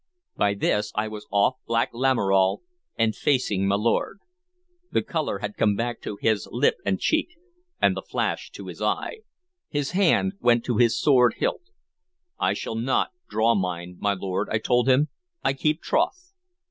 By this I was off Black Lamoral and facing my lord. The color had come back to his lip and cheek, and the flash to his eye. His hand went to his sword hilt. "I shall not draw mine, my lord," I told him. "I keep troth."